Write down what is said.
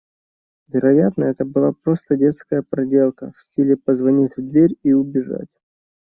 Вероятно, это была просто детская проделка, в стиле позвонить в дверь и убежать.